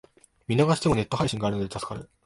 見逃してもネット配信があるので助かる